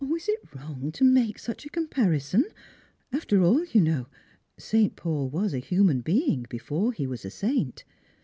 "Is it wrong to make such a comparison? After all, you know, St. Paul was a human being before he was a saint.